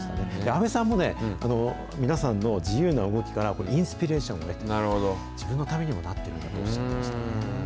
阿部さんもね、皆さんの自由な動きからインスピレーションを得て、自分のためにもなってるんだとおっしゃってましたね。